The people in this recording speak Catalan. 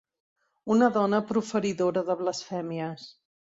Una dona proferidora de blasfèmies.